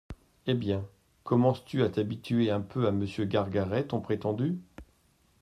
Eh bien, commences-tu à t’habituer un peu à Monsieur Gargaret, ton prétendu ?